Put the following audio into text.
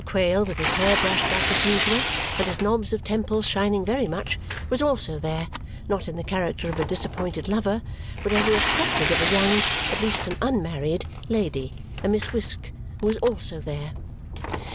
Quale, with his hair brushed back as usual and his knobs of temples shining very much, was also there, not in the character of a disappointed lover, but as the accepted of a young at least, an unmarried lady, a Miss Wisk, who was also there.